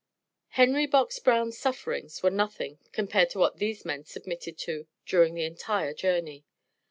Henry Box Brown's sufferings were nothing, compared to what these men submitted to during the entire journey.